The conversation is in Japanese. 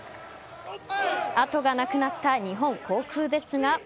後がなくなった日本航空ですが。